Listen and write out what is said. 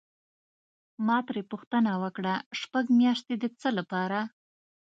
ما ترې پوښتنه وکړه: شپږ میاشتې د څه لپاره؟